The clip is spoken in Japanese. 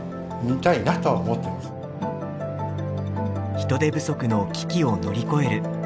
人手不足の危機を乗り越える。